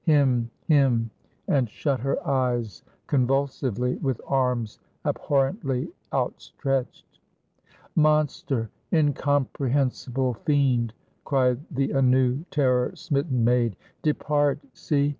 him him!" and shut her eyes convulsively, with arms abhorrently outstretched. "Monster! incomprehensible fiend!" cried the anew terror smitten maid "depart! See!